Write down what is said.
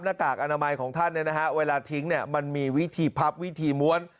กากอนามัยของท่านเวลาทิ้งมันมีวิธีพับวิธีม้วน